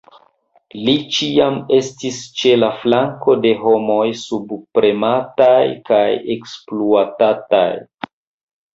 Li ĉiam estis ĉe la flanko de homoj subpremataj kaj ekspluatataj.